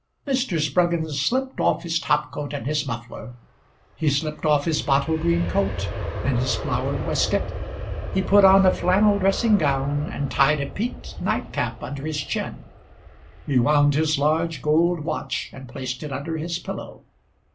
Mr. Spruggins slipped off his top coat and his muffler. He slipped off his bottle green coatAnd his flowered waistcoat. He put on a flannel dressing gown, And tied a peaked night cap under his chin. He wound his large gold watchAnd placed it under his pillow.